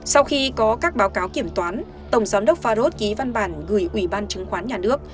sau khi có các báo cáo kiểm toán tổng giám đốc pharos ký văn bản gửi ủy ban chứng khoán nhà nước